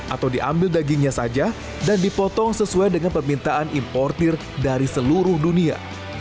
atau diambil dagingnya saja dan dipotong sesuai dengan permintaan importer dari seluruh dunia